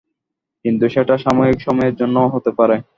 কিন্তু সেটা সাময়িক সময়ের জন্যও হতে পারে।